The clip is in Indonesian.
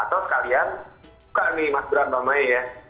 atau sekalian buka nih mas berantem aja ya